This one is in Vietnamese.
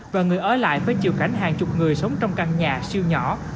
và người ở lại phải chịu cảnh hàng chục người sống trong căn nhà siêu nhỏ